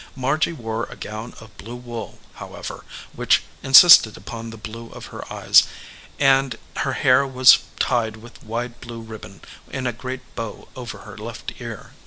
Margy wore a gown of blue wool, however, which insisted upon the blue of her eyes, and her hair was tied with wide blue ribbon in a great bow over her left ear.